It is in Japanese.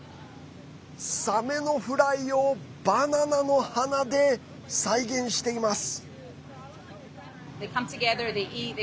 サメのフライをバナナの花で再現しています。